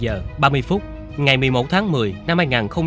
hai mươi ba h ba mươi phút ngày một mươi một tháng một mươi năm hai nghìn một mươi sáu